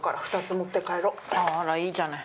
あらいいじゃない。